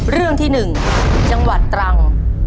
เรื่องที่๑จังหวัดตรัง